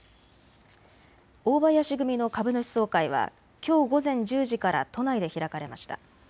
大林組の株主総会はきょう午前１０時から都内で開かれました。